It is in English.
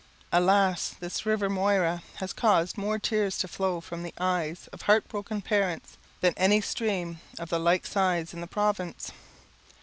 Alas! this river Moira has caused more tears to flow from the eyes of heart broken parents than any stream of the like size in the province.